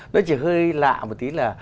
nó chỉ hơi lạ một tí là